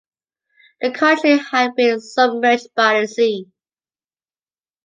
The country had been submerged by the sea.